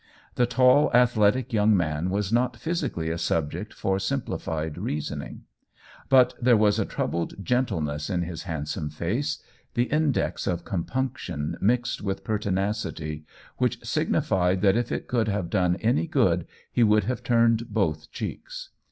The tall, athletic young man was not physically a subject for simplified reasoning ; but there was a troubled gentleness in his handsome face, the index of compunction mixed with pertinacity, which signified that if it could have done any good he would have turned both cheeks.